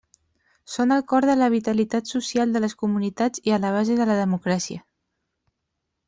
Són al cor de la vitalitat social de les comunitats i a la base de la democràcia.